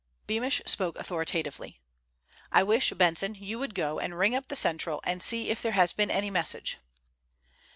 Beamish spoke authoritatively. "I wish, Benson, you would go and ring up the Central and see if there has been any message."